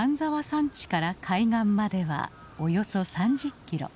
山地から海岸まではおよそ３０キロ。